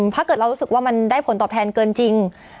ถ้าเกิดเรารู้สึกว่ามันได้ผลตอบแทนเกินจริง